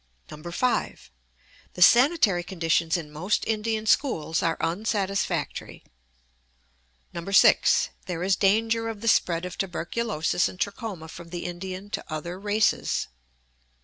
5. The sanitary conditions in most Indian schools are unsatisfactory. 6. There is danger of the spread of tuberculosis and trachoma from the Indian to other races.